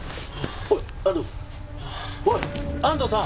おい安藤君おい安藤さん？